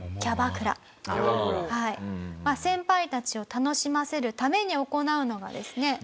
先輩たちを楽しませるために行うのがですね。